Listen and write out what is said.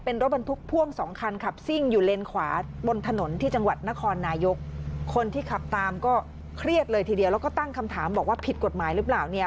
เป็นรถบรรทุกพ่วงสองคันขับซิ่งอยู่เลนขวาบนถนนที่จังหวัดนครนายกคนที่ขับตามก็เครียดเลยทีเดียวแล้วก็ตั้งคำถามบอกว่าผิดกฎหมายหรือเปล่าเนี่ย